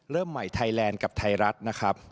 เริ่มใหม่ไทยแลนด์กับไทยรัฐนะครับ